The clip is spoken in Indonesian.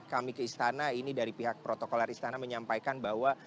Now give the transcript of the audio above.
kami ke istana ini dari pihak protokoler istana menyampaikan bahwa